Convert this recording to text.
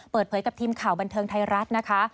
เปิดเผยกับทีมข่าวบันเทิงไทยรัฐนะคะ